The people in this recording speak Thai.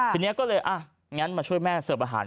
ทีนี้ก็เลยอ่ะงั้นมาช่วยแม่เสิร์ฟอาหาร